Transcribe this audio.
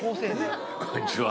こんにちは。